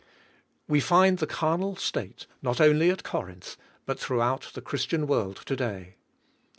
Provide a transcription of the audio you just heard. We find the carnal state not only at Corinth, but throughout the Christian world to day.